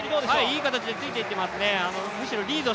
いい形でついていってますね。